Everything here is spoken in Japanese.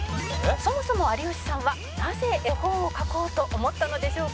「そもそも有吉さんはなぜ絵本を描こうと思ったのでしょうか？」